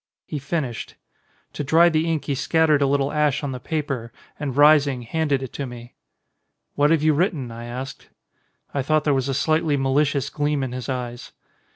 He finished. To dry the ink he scattered a little ash on the paper and rising handed it to me. "What have you written?" I asked. I thought there was a slightly malicious gleam in his eyes.